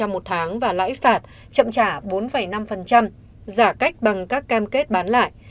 một tháng và lãi phạt chậm trả bốn năm giả cách bằng các cam kết bán lại